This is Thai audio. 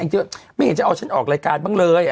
เธอไม่เห็นจะเอาฉันออกรายการบ้างเลย